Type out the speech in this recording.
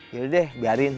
gila deh biarin